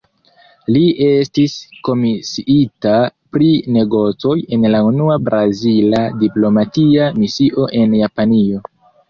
Li estis komisiita pri negocoj en la unua brazila diplomatia misio en Japanio.